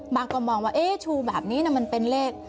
บางคนก็มาว่าเอ๊ยชูแบบนี้มันเป็นเลข